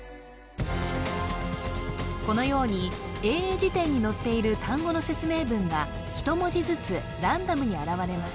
このように英英辞典に載っている単語の説明文が１文字ずつランダムに現れます